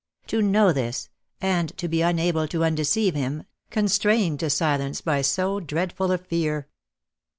To know this, and to be unable to undeceive him, con strained to silence by so dreadful a fear!